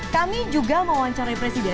kami juga mewawancari presiden